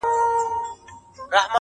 له اوربشو چا غنم نه دي رېبلي!